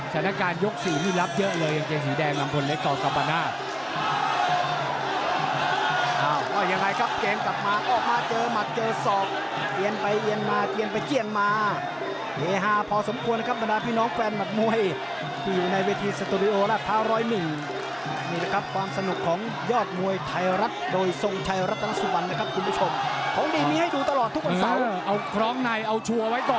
สถานการณ์ยกสุดท้ายนี่รับเยอะเลยยังเกงสีแดงนำพลเล็กต่อกลับมาหน้า